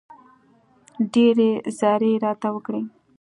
ډېرې زارۍ راته وکړې.